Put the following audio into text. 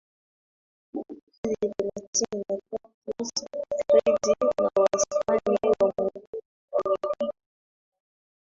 hadi thelathini na tatu sentigredi na wastani wa mvua wa mililita